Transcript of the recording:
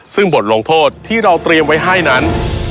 ซึ่งบทลงโทษที่เราเตรียมไว้ให้นั้น